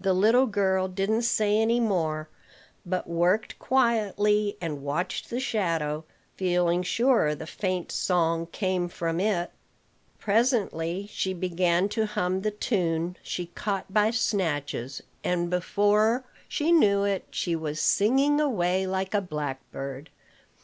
The little girl didn't say any more, but worked quietly and watched the shadow, feeling sure the faint song came from it. Presently she began to hum the tune she caught by snatches; and, before she knew it, she was singing away like a blackbird.